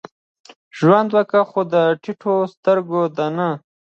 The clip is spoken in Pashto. ژوند وکه؛ خو د ټيټو سترګو دا نه.